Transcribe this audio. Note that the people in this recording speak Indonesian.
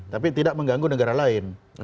tapi tidak mengganggu negara lain